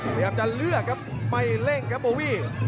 พยายามจะเลือกครับไม่เร่งครับโบวี่